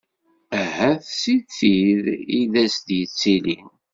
Ahat si tid i d as-yettilin?